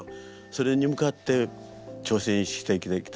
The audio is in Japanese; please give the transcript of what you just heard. それに向かって挑戦して生きてきた。